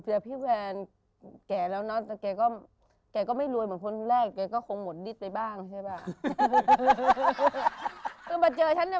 แต่พี่แวนแกแล้วเนาะแต่แกก็ไม่รวยเหมือนคนแรกแกก็คงหมดฤทธิ์ไปบ้างใช่ไหม